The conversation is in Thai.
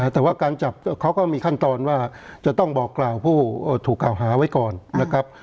แต่ว่าการจับเขาก็มีขั้นตอนว่าจะต้องบอกกล่าวผู้ถูกกล่าวหาไว้ก่อนนะครับ